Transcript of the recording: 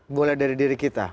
mulai dari diri kita